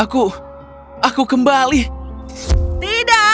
kompor besi berubah kembali menjadi pangeran